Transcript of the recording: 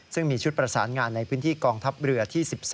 ซึ่งมีชุดประสานงานในพื้นที่กองทัพเรือที่๑๓